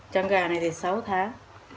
trăng gà này thì sáu tháng